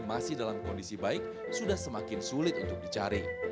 masih dalam kondisi baik sudah semakin sulit untuk dicari